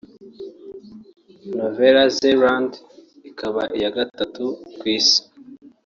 Nouvelle-Zélande ikaba iya gatutu ku Isi